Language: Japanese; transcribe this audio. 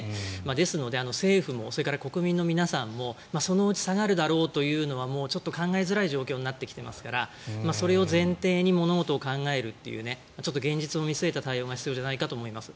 ですので政府もそれから国民の皆さんもそのうち下がるだろうというのはちょっと考えづらい状況になってきていますからそれを前提に物事を考えるというちょっと現実を見据えた対応が必要じゃないかと思います。